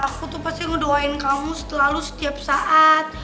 belah aku tuh pasti ngedoain kamu setelah lu setiap saat